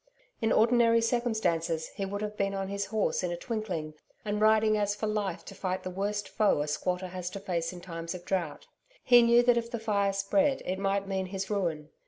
In ordinary circumstances, he would have been on his horse in a twinkling and riding as for life to fight the worst foe a squatter has to face in times of drought. He knew that if the fire spread, it might mean his ruin.